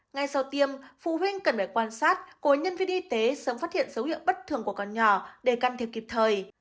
ngay sau tiêm phụ huynh cần phải quan sát cùng nhân viên y tế sớm phát hiện dấu hiệu bất thường của con nhỏ để can thiệp kịp thời